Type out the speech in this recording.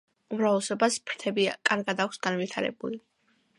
უმრავლესობას ფრთები კარგად აქვს განვითარებული.